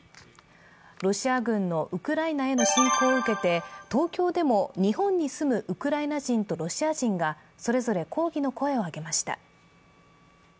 ロシア軍のウクライナへの侵攻を受けて東京でも日本に住むウクライナ人とロシア人がそれぞれ抗議の声を上げました。